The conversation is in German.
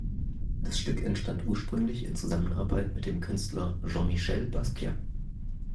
Das Stück entstand ursprünglich in Zusammenarbeit mit dem Künstler Jean-Michel Basquiat.